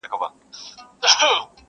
زما غزل تې ستا له حُسنه اِلهام راوړ,